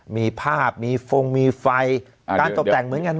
มีภาพมีฟงมีไฟการตกแต่งเหมือนกัน